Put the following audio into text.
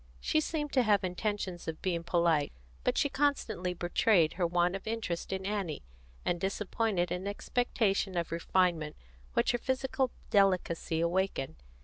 She seemed to have intentions of being polite; but she constantly betrayed her want of interest in Annie, and disappointed an expectation of refinement which her physical delicacy awakened.